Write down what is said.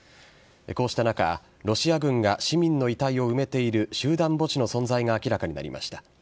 こうした中、ロシア軍が市民の遺体を埋めている集団墓地の存在が明らかになりました。